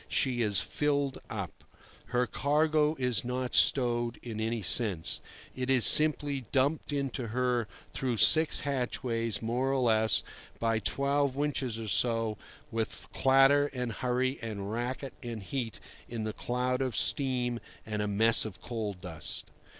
She is filled up. Her cargo is not stowed in any sense; it is simply dumped into her through six hatchways, more or less, by twelve winches or so, with clatter and hurry and racket and heat, in a cloud of steam and a mess of coal dust.